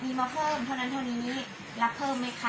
มีมาเพิ่มเท่านั้นเท่านี้รับเพิ่มไหมคะ